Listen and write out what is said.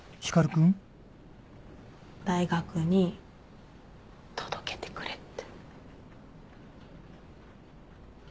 大学に届けてくれって。